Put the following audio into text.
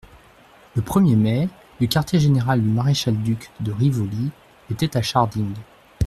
Le premier mai, le quartier-général du maréchal duc de Rivoli était à Sharding.